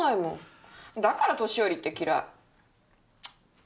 だから年寄りって嫌い。